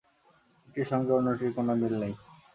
একটির সঙ্গে অন্যটির কোনো মিল নেই।